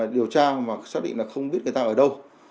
điều tra mà xác định là không biết người ta ở đâu